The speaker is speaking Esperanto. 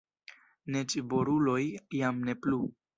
Neĝboruloj jam ne plu.